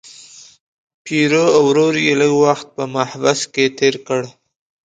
پیرو او ورور یې لږ وخت په محبس کې تیر کړ.